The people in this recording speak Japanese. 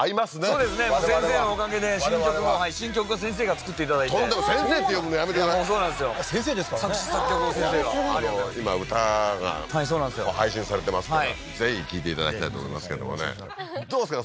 そうですね先生のおかげで新曲も新曲は先生が作っていただいて先生って呼ぶのやめてくださいそうなんですよ先生ですからね作詞作曲の先生が今歌が配信されてますからぜひ聴いていただきたいと思いますけどもねどうですか？